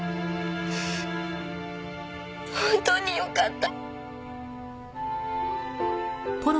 本当によかった。